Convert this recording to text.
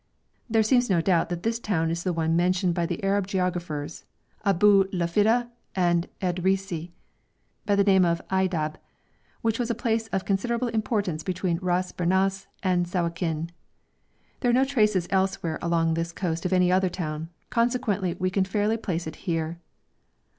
There seems no doubt that this town is the one mentioned by the Arab geographers, Abou'lfida and Edrisi, by the name of Aydab, which was a place of considerable importance between Ras Bernas and Sawakin. There are no traces elsewhere along this coast of any other town, consequently we can fairly place it here.